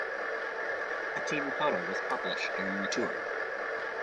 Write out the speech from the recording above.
A team photo was published during the tour.